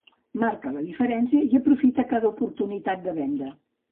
marca la diferència i aprofita cada oportunitat de venda